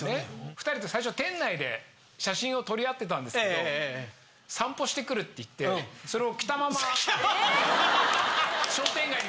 ２人で最初は店内で写真を撮り合ってたんですけど「散歩してくる」って言ってそれを。